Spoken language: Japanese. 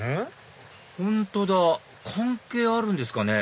本当だ関係あるんですかね？